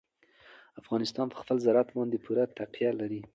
افغانستان په خپل زراعت باندې پوره تکیه لري.